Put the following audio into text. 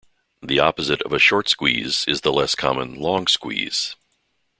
The opposite of a short squeeze is the less common long squeeze.